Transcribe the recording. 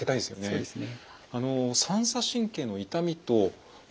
そうですね。